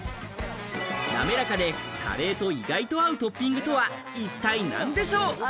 滑らかでカレーと意外と合うトッピングとは一体何でしょう？